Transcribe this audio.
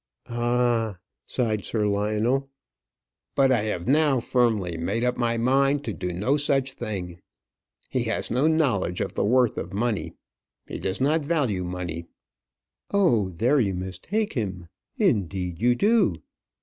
"Ah!" sighed Sir Lionel. "But I have now firmly made up my mind to do no such thing. He has no knowledge of the worth of money. He does not value money." "Oh, there you mistake him; indeed, you do."